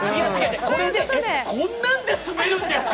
これで、えっ、こんなんで住めるんですか？